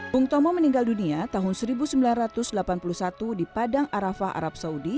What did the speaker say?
bung tomo meninggal dunia tahun seribu sembilan ratus delapan puluh satu di padang arafah arab saudi